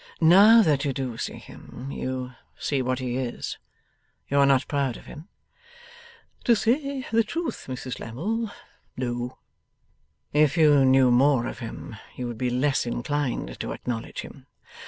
'Now that you do see him, you see what he is. You are not proud of him?' 'To say the truth, Mrs Lammle, no.' 'If you knew more of him, you would be less inclined to acknowledge him.